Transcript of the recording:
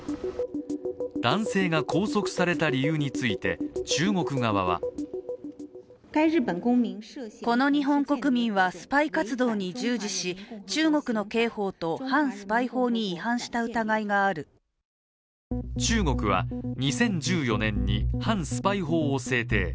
男性が拘束された理由について中国側は中国は２０１４年に反スパイ法を制定。